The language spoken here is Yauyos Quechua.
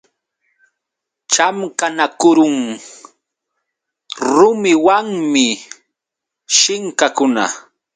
Chamqanakurun rumiwanmi shinkakuna.